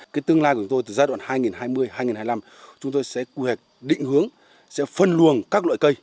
cái tương lai của chúng tôi từ giai đoạn hai nghìn hai mươi hai nghìn hai mươi năm chúng tôi sẽ quy hoạch định hướng sẽ phân luồng các loại cây